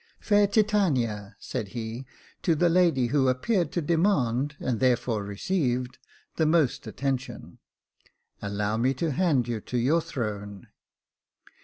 " Fair Titania," said he, to the lady who appeared to demand, and therefore received, the most attention, " allow me to hand you to your throne."